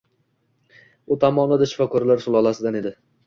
U tom ma’noda shifokorlar sulosasidan edi